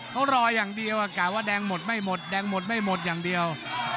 เขารออย่างเดียวกะว่าแดงหมดไม่หมดแดงหมดไม่หมดอย่างเดียว